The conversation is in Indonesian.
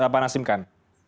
pak nasim khan